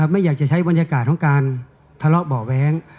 ไม่อยากจะใช้บรรยากาศของการทะเลาะเบาะแว้ง